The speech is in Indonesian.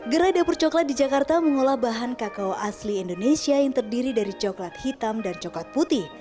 gerai dapur coklat di jakarta mengolah bahan kakao asli indonesia yang terdiri dari coklat hitam dan coklat putih